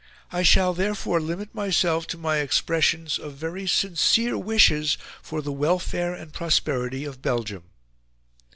I shall, therefore, limit myself to my expressions of very sincere wishes for the welfare and prosperity of Belgium."